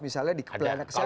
misalnya di planet kesehatan